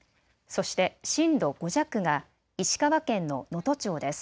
そして震度５弱が石川県の能登町です。